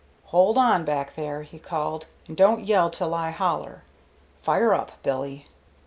"Hold on, back there," he called, "and don't yell till I holler. Fire up, Billy."